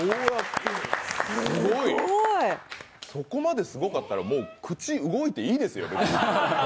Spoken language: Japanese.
そこまですごかったらもう口動いていいですよ。